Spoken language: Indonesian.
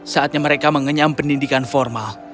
saatnya mereka mengenyam pendidikan formal